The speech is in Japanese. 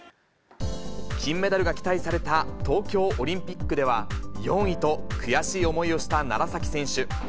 金メダルが期待された東京オリンピックでは、４位と悔しい思いをした楢崎選手。